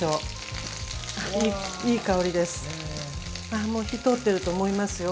ああもう火通っていると思いますよ。